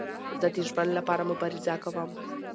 زه د ژوند له پاره مبارزه کوم.